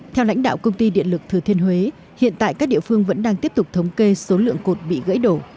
theo lãnh đạo công ty điện lực thừa thiên huế hiện tại các địa phương vẫn đang tiếp tục thống kê số lượng cột bị gãy đổ